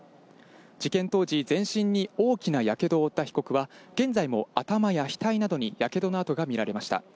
事件当時、全身に大きなやけどを負った被告は、現在も頭や額などにやけどの痕が見られました。